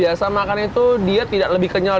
dimasukin dari batang aren agar betapa lebih kenyal